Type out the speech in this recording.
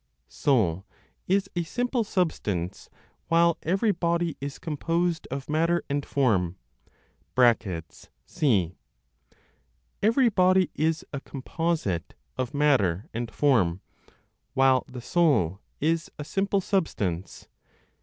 SOUL IS A SIMPLE SUBSTANCE, WHILE EVERY BODY IS COMPOSED OF MATTER AND FORM. (c.) (Every body is a composite of matter and form, while the soul is a simple substance.)